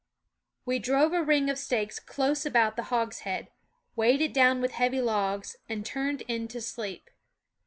We drove a ring of stakes close about the hogshead, weighted it down with heavy logs, and turned in to sleep.